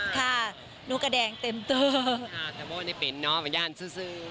ค่ะหนูกระแดงเต็มเตอร์